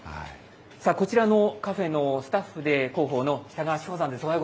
さあ、こちらのカフェのスタッフで広報の北川史歩さんです。